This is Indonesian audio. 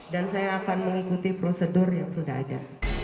dan saya akan mengikuti prosedur yang sudah ada